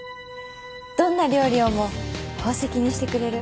どんな料理をも宝石にしてくれる。